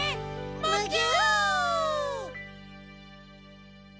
むぎゅ！